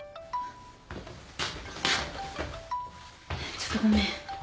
ちょっとごめん。